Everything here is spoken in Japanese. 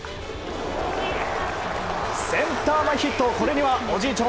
センター前ヒット、これにはおじいちゃん